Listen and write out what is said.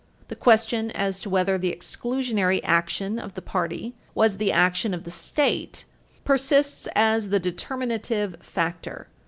The question as to whether the exclusionary action of the party was the action of the State persists as the determinative factor.